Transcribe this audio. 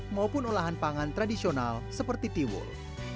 maupun olahan pangan tradisional seperti tiwul